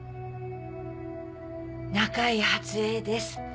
中井初枝です